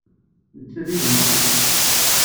Netta d gma.